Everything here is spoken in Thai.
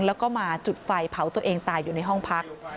แล้วก็มาจุดไฟเผาตัวเองตายอยู่ในห้องพัก